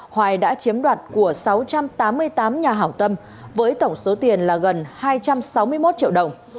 hoài đã chiếm đoạt của sáu trăm tám mươi tám nhà hảo tâm với tổng số tiền là gần hai trăm sáu mươi một triệu đồng